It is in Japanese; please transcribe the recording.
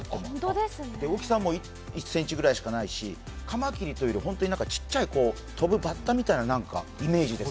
大きさも１ｃｍぐらいしかないしカマキリというより本当にちっちゃい、跳ぶバッタみたいなイメージです。